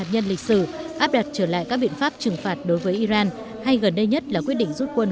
nhân lịch sử áp đặt trở lại các biện pháp trừng phạt đối với iran hay gần đây nhất là quyết định rút quân